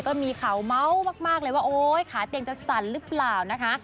ก็มีข่าวเมาส์มากเลยว่าโอ๊ยขาเตียงจะสั่นหรือเปล่านะคะ